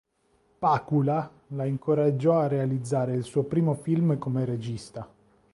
Pakula la incoraggiò a realizzare il suo primo film come regista.